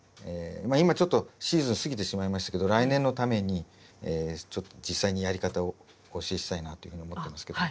まあ今ちょっとシーズン過ぎてしまいましたけど来年のためにちょっと実際にやり方をお教えしたいなというふうに思ってますけど。